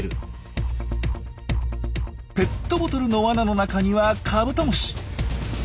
ペットボトルのワナの中にはカブトムシ。